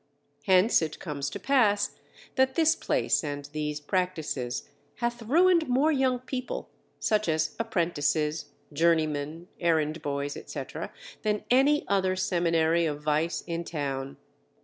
Hence it comes to pass that this place and these practices hath ruined more young people, such as apprentices, journeymen, errand boys, etc., than any other seminary of vice in town.